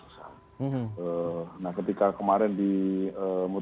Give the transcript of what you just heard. nah ketika kemarin di